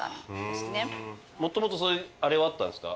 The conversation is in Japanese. もともとあれはあったんですか？